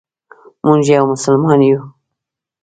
موږ یو مسلمان یو.